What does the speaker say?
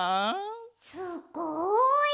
すっごい。